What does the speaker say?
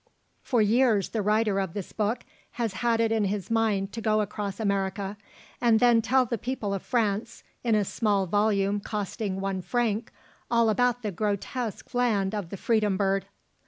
"For years the writer of this book has had it in his mind to go across America, and then tell the people of France, in a small volume costing one franc, all about the grotesque land of the freedom bird."